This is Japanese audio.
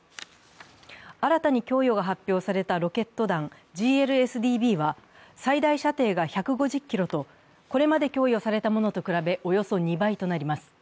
新たに供与が発表されたロケット弾ＧＬＳＤＢは、最大射程が１５０ｋｍとこれまで供与されたものと比べ、およそ２倍となります。